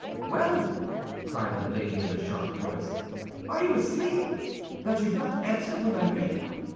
"Well," cried Milady, in a sharp voice. "Are you asleep, that you don't answer when I ring?"